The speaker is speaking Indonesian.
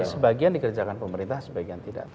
sebagian dikerjakan pemerintah sebagian tidak